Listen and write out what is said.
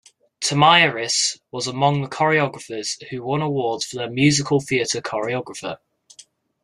Tamiris was among the choreographers who won awards for their musical theatre choreographer.